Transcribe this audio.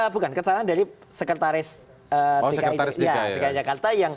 bukan kesalahan dari sekretaris dki jakarta